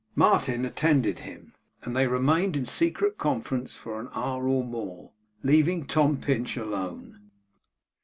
Martin attended him; and they remained in secret conference together for an hour or more; leaving Tom Pinch alone.